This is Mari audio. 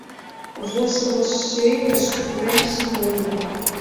Возымо сӧйыш пурем Зинонла.